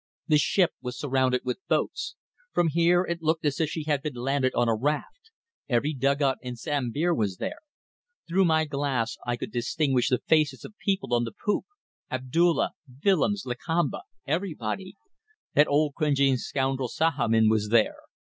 The ship was surrounded with boats. From here it looked as if she had been landed on a raft. Every dugout in Sambir was there. Through my glass I could distinguish the faces of people on the poop Abdulla, Willems, Lakamba everybody. That old cringing scoundrel Sahamin was there.